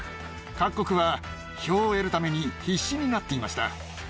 各国は票を得るために、必死になっていました。